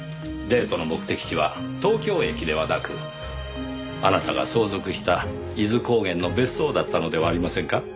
デートの目的地は東京駅ではなくあなたが相続した伊豆高原の別荘だったのではありませんか？